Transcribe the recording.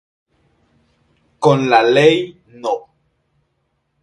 Con la Ley No.